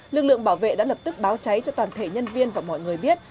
lực lượng bảo vệ đã lập tức báo cháy cho toàn thể nhân viên và mọi người biết